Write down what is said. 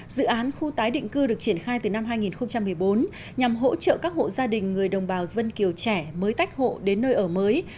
dự án khu tái định cư được triển khai từ năm hai nghìn một mươi bốn nhằm hỗ trợ các hộ gia đình người đồng bào vân kiều trẻ mới tách hộ đến nơi ở mới